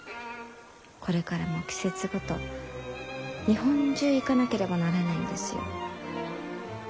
これからも季節ごと日本中行かなければならないんですよ。